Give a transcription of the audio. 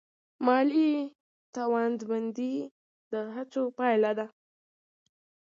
مالي توانمندي د هڅو پایله ده.